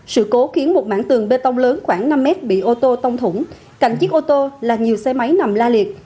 sự cố khiến một mảng tường bê tông lớn khoảng năm mét bị ô tô tông thủng cạnh chiếc ô tô là nhiều xe máy nằm la liệt